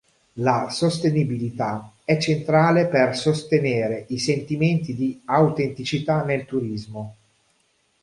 La sostenibilità è centrale per sostenere i sentimenti di autenticità nel turismo.